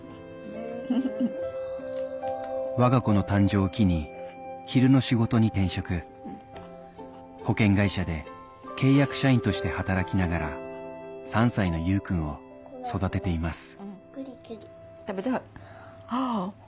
我が子の誕生を機に昼の仕事に転職保険会社で契約社員として働きながら３歳のゆうくんを育てています